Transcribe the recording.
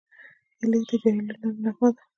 هیلۍ د جهیلونو نرمه نغمه ده